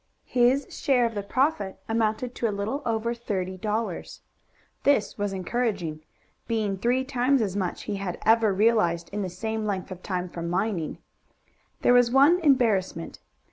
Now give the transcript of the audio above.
His share of the profit amounted to a little over thirty dollars. This was encouraging, being three times as much as he had ever realized in the same length of time from mining. There was one embarrassment.